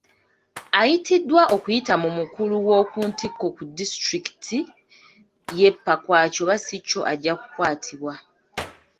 Ayitiddwa okuyita mu mukulu w'okuntiko ku disitulikiti y'e Pakwach oba si kyo ajja kukwatibwa.